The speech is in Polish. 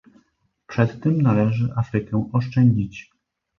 Przed tym należy Afrykę oszczędzić